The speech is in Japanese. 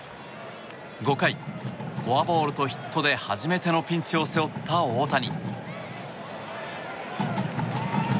５回、フォアボールとヒットで初めてのピンチを背負った大谷。